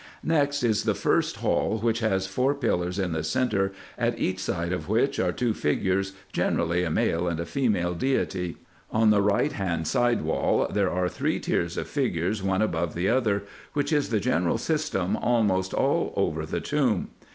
Next is the first hall, which has four pillars in the centre, at each side of which are two figures, generally a male and a female deity. On the right hand side wall there are three tiers of figures one above the other, which is the general system almost all over the tomb.